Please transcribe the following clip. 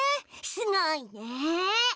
すごいね。